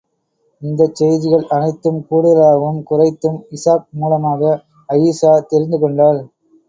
இந்தச் செய்திகள் அனைத்தும் கூடுதலாகவும் குறைத்தும் இஷாக் மூலமாக அயீஷா தெரிந்து கொண்டாள்.